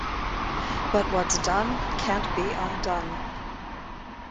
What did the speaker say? But what's done can't be undone.